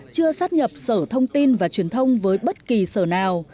chưa sát nhập sở thông tin và truyền thông với bất kỳ sở nào